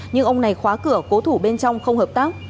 nhưng ông này khóa cửa cố thủ bên trong không hợp tác